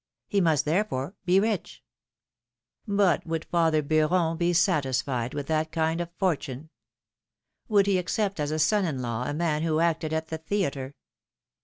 He must, therefore, be rich. But would father Beuron be satisfied with that kind of fortune? Would he accept as a son in law a man who acted at the theatre?